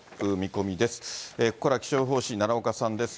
ここからは気象予報士、奈良岡さんです。